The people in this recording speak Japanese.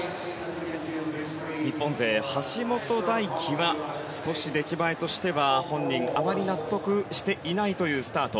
日本勢、橋本大輝は少し出来栄えとしては本人あまり納得していないというスタート。